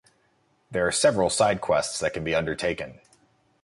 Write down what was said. There are several side quests that can be undertaken.